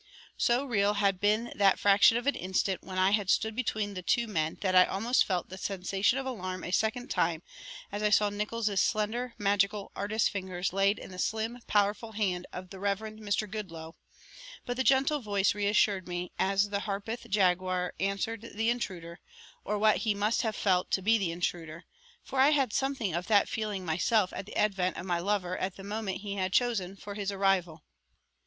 So real had been that fraction of an instant when I had stood between the two men that I almost felt the sensation of alarm a second time as I saw Nickols' slender, magical, artist's fingers laid in the slim, powerful hand of the Reverend Mr. Goodloe, but the gentle voice reassured me as the Harpeth Jaguar answered the intruder, or what he must have felt to be the intruder, for I had something of that feeling myself at the advent of my lover at the moment he had chosen for his arrival.